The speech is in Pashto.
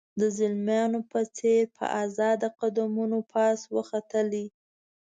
د زلمیانو په څېر په آزاده قدمونو پاس وختلې.